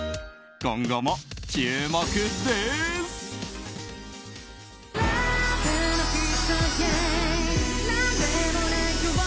今後も注目です。